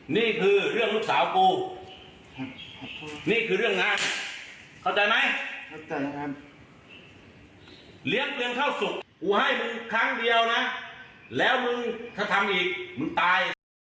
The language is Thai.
เรียกเงินเข้าสุดกูให้มึงครั้งเดียวนะแล้วมึงถ้าทำอีกมึงตาย